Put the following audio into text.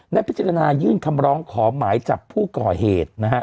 ได้พิจารณายื่นคำร้องขอหมายจับผู้ก่อเหตุนะฮะ